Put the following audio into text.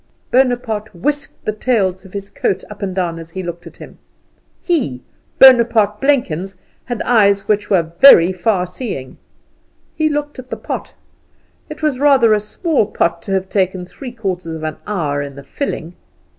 Bonaparte whisked the tails of his coat up and down as he looked at him. He, Bonaparte Blenkins, had eyes which were very far seeing. He looked at the pot. It was rather a small pot to have taken three quarters of an hour in the filling.